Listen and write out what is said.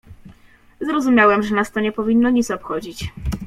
"Zrozumiałem, że nas to nie powinno nic obchodzić."